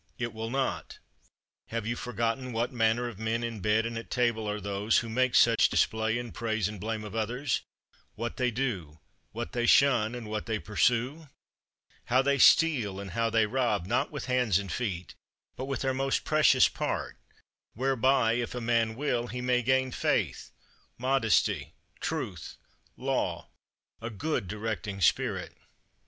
It will not. Have you forgotten what manner of men in bed and at table are those who make such display in praise and blame of others; what they do, what they shun and what they pursue; how they steal and how they rob, not with hands and feet but with their most precious part, whereby, if a man will, he may gain faith, modesty, truth, law, a good directing spirit?